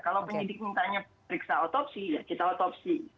kalau penyidik mintanya periksa otopsi ya kita otopsi